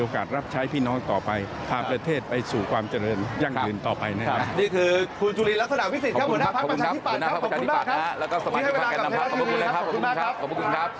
ขอบคุณครับขอบคุณครับ